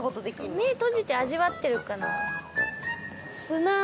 目閉じて味わってるかな。